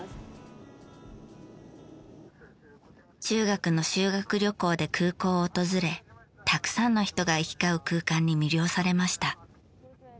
中学の修学旅行で空港を訪れたくさんの人が行き交う空間に魅了されました。